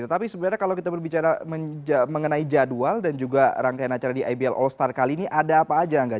tapi sebenarnya kalau kita berbicara mengenai jadwal dan juga rangkaian acara di ibl all star kali ini ada apa aja angga